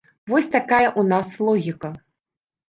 Вось такая ў нас логіка.